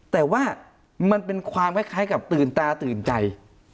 แต่ว่ามันเป็นความคล้ายกับตื่นตาตื่นใจ